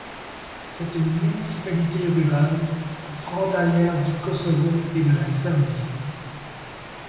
C'est une municipalité rurale, frontalière du Kosovo et de la Serbie.